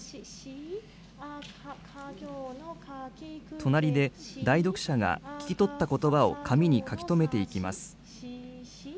隣で代読者が聞き取ったことばを紙に書き留めていきます。